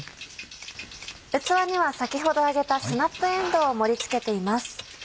器には先ほど揚げたスナップえんどうを盛り付けています。